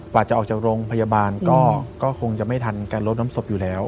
จะออกจากโรงพยาบาลก็คงจะไม่ทันการลดน้ำศพอยู่แล้ว